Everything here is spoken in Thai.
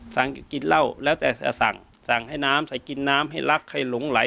กินเหล้าแล้วแต่จะสั่งสั่งให้น้ำใส่กินน้ำให้รักใครหลงไหล